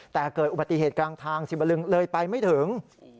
แต่เกิดอุบัติเหตุกลางทางสิบลึงเลยไปไม่ถึง